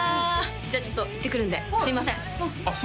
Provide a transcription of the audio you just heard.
じゃあちょっと行ってくるんですいませんあっ